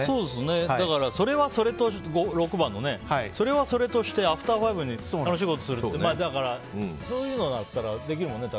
だから６番のそれはそれとしてアフター５に楽しいことをするってそういうのだったらできるもんね。